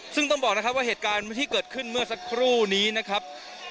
ซึ่งต้องบอกนะครับว่าเหตุการณ์ที่เกิดขึ้นเมื่อสักครู่นี้นะครับ